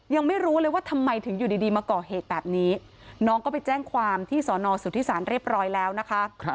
ยังไม่รู้เลยว่าทำไมถึงอยู่ดีมาก่อเหตุแบบนี้น้องก็ไปแจ้งความที่สอนอสุทธิศาลเรียบร้อยแล้วนะคะ